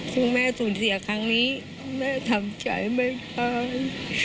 ซึ่งแม่สูญเสียครั้งนี้แม่ทำใจไม่ได้